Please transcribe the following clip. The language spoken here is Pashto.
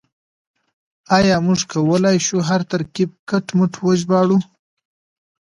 آيا موږ کولای شو هر ترکيب کټ مټ وژباړو؟